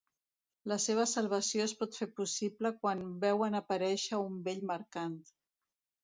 La seva salvació es pot fer possible quan veuen aparèixer un vell mercant.